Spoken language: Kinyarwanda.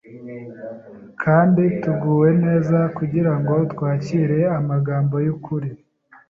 kandi tuguwe neza kugira ngo twakire amagambo y’ukuri,